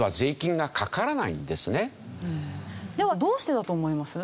ではどうしてだと思います？